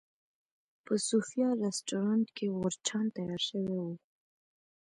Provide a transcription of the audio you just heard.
په صوفیا رسټورانټ کې غورچاڼ تیار شوی و.